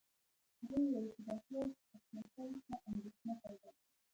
هغې وویل چې ډاکټر حشمتي ته اندېښنه پیدا کړه